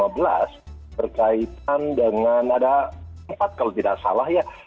berkaitan dengan ada empat kalau tidak salah ya